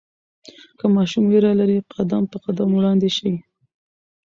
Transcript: که ماشوم ویره لري، قدم په قدم وړاندې شئ.